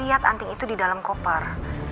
lihat anting itu di dalam koper